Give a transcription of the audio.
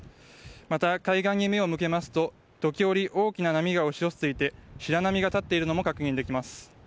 また海岸に目を向けますと時折、大きな波が押し寄せていて白波が立っているのも確認できます。